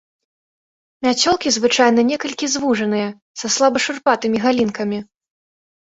Мяцёлкі звычайна некалькі звужаныя, са слаба шурпатымі галінкамі.